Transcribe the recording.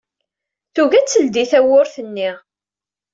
Tugi ad teldey tewwurt-nni.